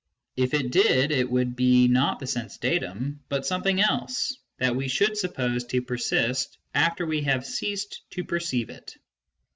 If it did, it would be not the sense datum, but something else, that we should suppose to persist after we have ceased to perceive it.